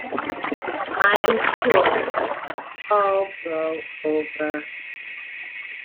I'm sure it will all blow over.